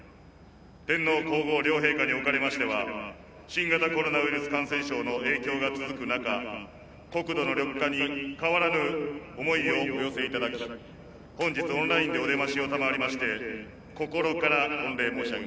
天皇皇后両陛下におかれましては新型コロナウイルス感染症の影響が続く中国土の緑化に変わらぬ思いをお寄せいただき本日オンラインでお出ましを賜りまして心から御礼申し上げます。